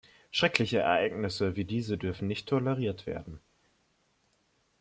Schreckliche Ereignisse wie diese dürfen nicht toleriert werden.